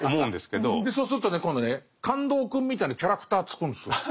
そうするとね今度ね「感動くん」みたいなキャラクター作るんですよ。